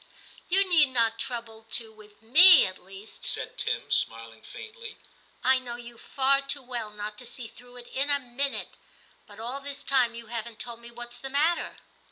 ' You need not trouble to with me^ at least,' said Tim, smiling faintly ;* I know you far too well not to see through it in a minute. But all this time you haven't told me what's the matter.'